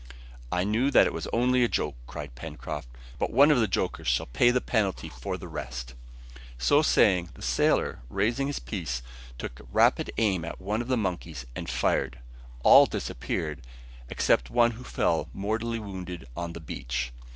"I knew that it was only a joke," cried Pencroft, "but one of the jokers shall pay the penalty for the rest." So saying, the sailor, raising his piece, took a rapid aim at one of the monkeys and fired. All disappeared, except one who fell mortally wounded on the beach.